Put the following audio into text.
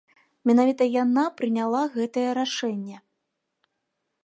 Менавіта яна прыняла гэтае рашэнне.